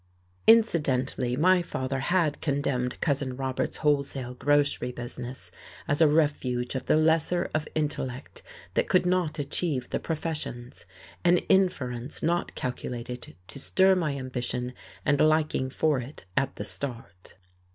Incidentally my father had condemned Cousin Robert's wholesale grocery business as a refuge of the lesser of intellect that could not achieve the professions, an inference not calculated to stir my ambition and liking for it at the start.